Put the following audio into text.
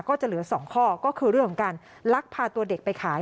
ก็จะเหลือ๒ข้อก็คือเรื่องของการลักพาตัวเด็กไปขาย